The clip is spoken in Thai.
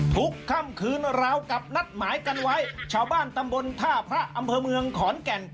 ค่ำคืนราวกับนัดหมายกันไว้ชาวบ้านตำบลท่าพระอำเภอเมืองขอนแก่น